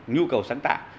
nhu cầu sáng tạo